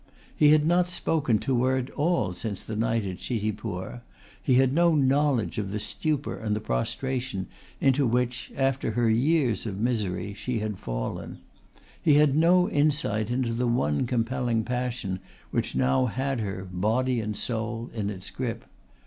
He had not spoken to her at all since the night at Chitipur; he had no knowledge of the stupor and the prostration into which, after her years of misery, she had fallen; he had no insight into the one compelling passion which now had her, body and soul, in its grip.